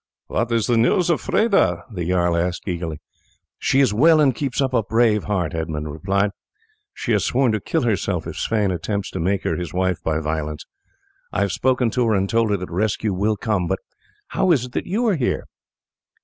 "What is the news of Freda?" the jarl asked eagerly. "She is well and keeps up a brave heart," Edmund replied. "She has sworn to kill herself if Sweyn attempts to make her his wife by violence. I have spoken to her and told her that rescue will come. But how is it that you are here?"